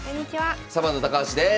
サバンナ高橋です。